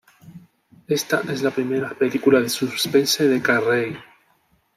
Esta es la primera película de suspense de Carrey.